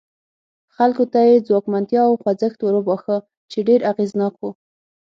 خلکو ته یې ځواکمنتیا او خوځښت وروباښه چې ډېر اغېزناک و.